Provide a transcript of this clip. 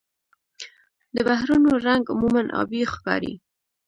د بحرونو رنګ عموماً آبي ښکاري.